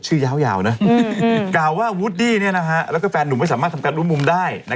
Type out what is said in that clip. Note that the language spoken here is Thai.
ยาวนะกล่าวว่าวูดดี้แล้วก็แฟนหนุ่มไม่สามารถทำการรู้มุมได้